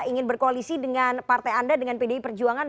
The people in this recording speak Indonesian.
ingin berkoalisi dengan partai anda dengan pdi perjuangan